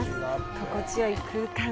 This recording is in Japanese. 心地よい空間。